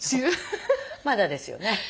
まだですよね？